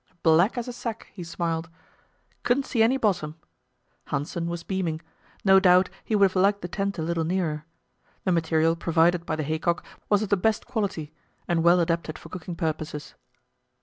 "Black as a sack," he smiled; "couldn't see any bottom." Hanssen was beaming; no doubt he would have liked the tent a little nearer. The material provided by the haycock was of the best quality, and well adapted for cooking purposes.